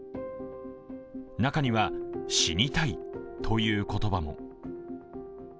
中には「死にたい」という言葉も。